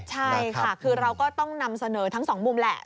ใช่ค่ะคือเราก็ต้องนำเสนอทั้งสองมุมแหละ